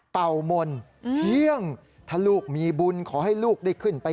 เป่ามนต์เที่ยงถ้าลูกมีบุญขอให้ลูกได้ขึ้นไป